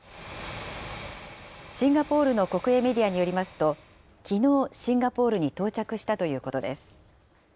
シンガポールの国営メディアによりますと、きのう、シンガポールに到着したということです。